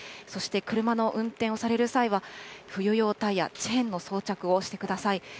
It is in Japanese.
そして車の運転をされる際は、冬用タイヤ、チェーンの装着をしてください。